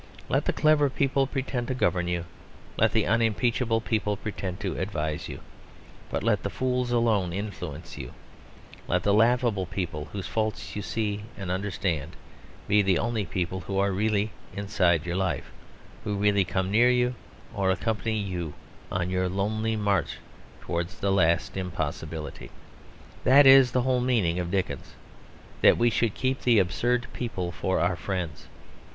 Let the clever people pretend to govern you, let the unimpeachable people pretend to advise you, but let the fools alone influence you; let the laughable people whose faults you see and understand be the only people who are really inside your life, who really come near you or accompany you on your lonely march towards the last impossibility. That is the whole meaning of Dickens; that we should keep the absurd people for our friends.